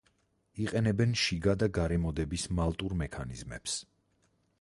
იყენებენ შიგა და გარე მოდების მალტურ მექანიზმებს.